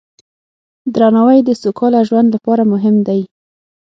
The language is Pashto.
درناوی د سوکاله ژوند لپاره مهم دی.